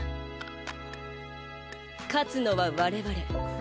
勝つのは我々。